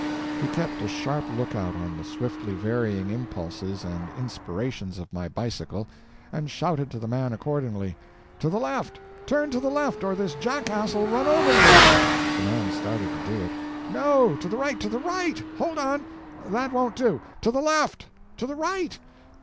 He kept a sharp lookout on the swiftly varying impulses and inspirations of my bicycle, and shouted to the man accordingly: "To the left! Turn to the left, or this jackass 'll run over you!" The man started to do it. "No, to the right, to the right! Hold on! THAT won't do!—to the left!—to the right!